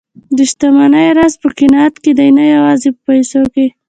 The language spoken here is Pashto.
د شتمنۍ راز په قناعت کې دی، نه یوازې په پیسو کې.